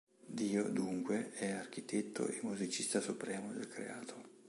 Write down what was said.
Dio, dunque, è architetto e musicista supremo del creato.